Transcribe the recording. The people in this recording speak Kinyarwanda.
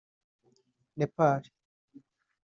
Nepali